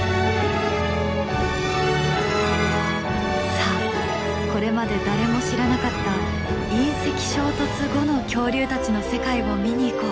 さあこれまで誰も知らなかった隕石衝突後の恐竜たちの世界を見に行こう。